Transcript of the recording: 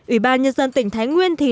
ủy ban nhân dân tỉnh thái nguyên thì